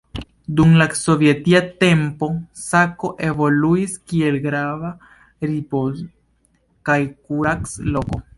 Dum la sovetia tempo Sako evoluis kiel grava ripoz- kaj kurac-loko.